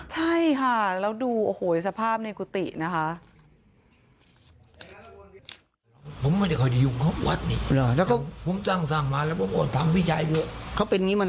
ใช่ค่ะแล้วดูโอ้โหสภาพในกุฏินะคะ